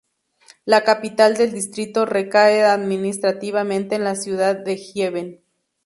La capital del distrito recae administrativamente en la ciudad de Gießen.